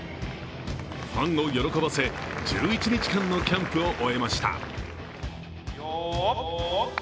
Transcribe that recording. ファンを喜ばせ１１日間のキャンプを終えました。